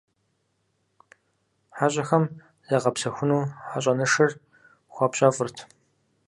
ХьэщӀэхэм загъэпсэхуху, хьэщӀэнышыр хуапщэфӏырт.